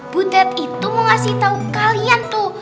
budet itu mau ngasih tau kalian tuh